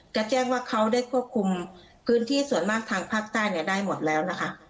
ก็แจ้งว่าเขาได้ควบคุมพื้นที่ส่วนมากทางภาคใต้ได้หมดแล้วนะคะ